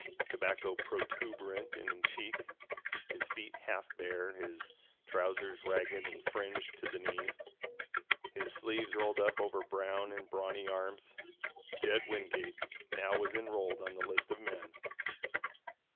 Tobacco protuberant in cheek, his feet half bare, his trousers ragged and fringed to the knee, his sleeves rolled up over brown and brawny arms, Jed Wingate now was enrolled on the list of men.